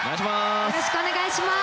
よろしくお願いします。